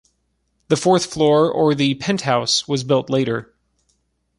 The fourth floor or the penthouse was built later.